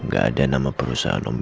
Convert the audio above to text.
gak ada nama perusahaan om irfan